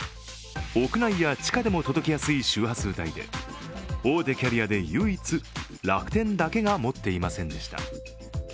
屋内や地下でも届きやすい周波数帯で大手キャリアで唯一楽天だけが持っていませんでした。